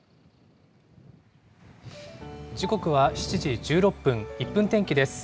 時刻は７時１６分、１分天気です。